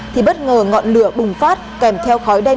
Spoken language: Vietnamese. thì bất ngờ ngọn lửa bùng phát kèm theo khói đen